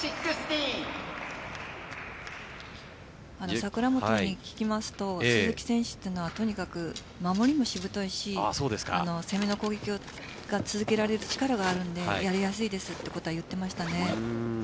櫻本に聞きますと鈴木選手はとにかく守りもしぶといし攻撃が続けられる力があるのでやりやすいということを言っていましたね。